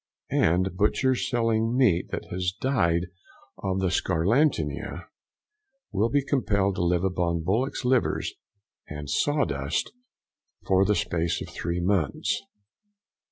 And butchers selling meat that has died of the scarlatina, will be compelled to live upon bullocks' liver and sawdust for the space of three months.